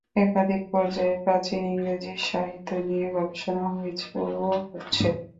একাধিক পর্যায়ে প্রাচীন ইংরেজি সাহিত্য নিয়ে গবেষণা হয়েছে ও হচ্ছে।